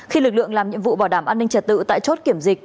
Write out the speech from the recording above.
khi lực lượng làm nhiệm vụ bảo đảm an ninh trật tự tại chốt kiểm dịch